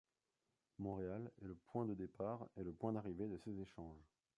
Montréal est le point de départ et le point d’arrivée de ces échanges.